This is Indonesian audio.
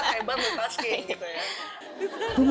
kuat hebat multitasking gitu ya